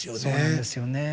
そうなんですよね。